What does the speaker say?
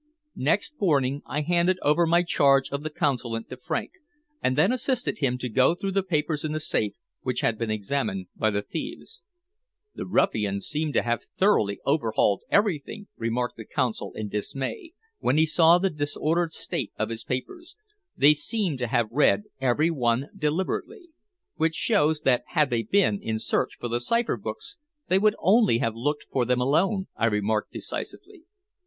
Next morning I handed over my charge of the Consulate to Frank, and then assisted him to go through the papers in the safe which had been examined by the thieves. "The ruffians seem to have thoroughly overhauled everything," remarked the Consul in dismay when he saw the disordered state of his papers. "They seem to have read every one deliberately." "Which shows that had they been in search for the cipher books they would only have looked for them alone," I remarked decisively.